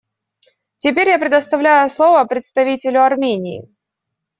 Теперь я предоставляю слово представителю Армении.